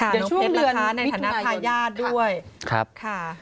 เดี๋ยวช่วงเดือนมิดทุนายน